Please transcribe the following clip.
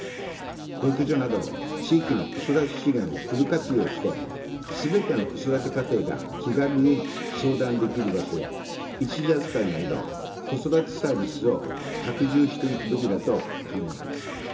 保育所など地域の子育て資源をフル活用して、すべての子育て家庭が気軽に相談できる場所や、一時預かりなど、子育てサービスを拡充していくべきだと考えます。